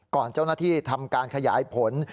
เจ้าหน้าที่ทำการขยายผล